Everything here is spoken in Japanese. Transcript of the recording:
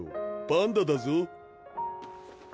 パンダだぞ。